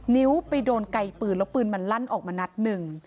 นิ้วไปโดนไกลปืนแล้วปืนมันลั่นออกมานัดหนึ่ง